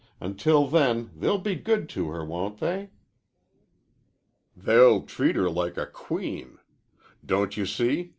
Until then they'll be good to her, won't they?" "They'll treat her like a queen. Don't you see?